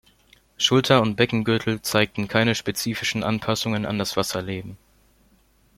Schulter und Beckengürtel zeigten keine spezifischen Anpassungen an das Wasserleben.